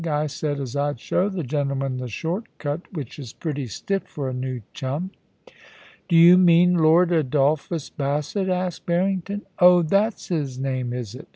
I said as I'd show the gentleman the short cut, which is pretty stiff for a new chum.' * Do you mean I^rd Adolphus Bassett ?' asked Barring ton. * Oh ! that's his name, is it